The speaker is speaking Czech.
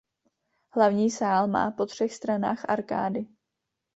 Hlavní sál má po třech stranách arkády.